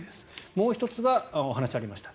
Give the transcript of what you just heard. もう１つがお話にありました